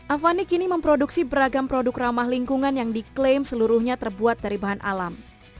avani kini memproduksi beragam produk ramah lingkungan yang diklaim seluruhnya terbuat dari bahan alam